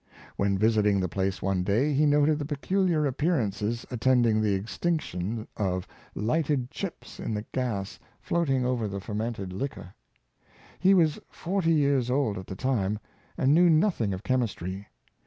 When visiting the place one day, he noted the peculiar appearances attending the extinction of lighted chips in the gas floating over the fermented liquor. He was forty years old at the time, and knew nothing of chemistry.